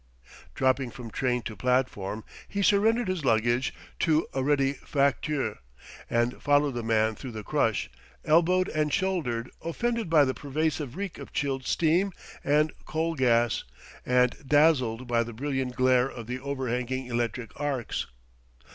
Dropping from train to platform, he surrendered his luggage to a ready facteur, and followed the man through the crush, elbowed and shouldered, offended by the pervasive reek of chilled steam and coal gas, and dazzled by the brilliant glare of the overhanging electric arcs.